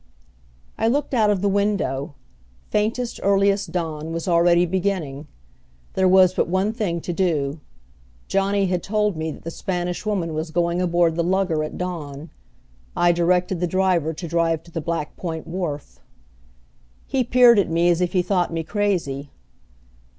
I looked out of the window. Faintest, earliest dawn was already beginning. There was but one thing to do. Johnny had told me that the Spanish Woman was going aboard the lugger at dawn. I directed the driver to drive to the Black Point wharf. He peered at me as if he thought me crazy.